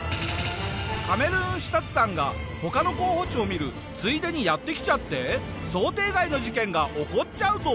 カメルーン視察団が他の候補地を見るついでにやって来ちゃって想定外の事件が起こっちゃうぞ！